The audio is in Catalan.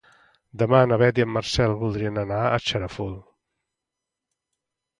Demà na Beth i en Marcel voldrien anar a Xarafull.